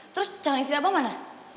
terus canggih sini abah mana